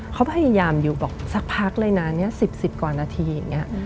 เขาพยายามอยู่บอกสักพักเลยนะ๑๐กว่านาทีอย่างนี้